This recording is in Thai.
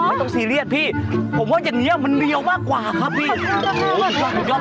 พี่อย่าต้องซีเรียสพี่ผมว่าแบบนี้มันเนี่ยมากกว่ากันครับ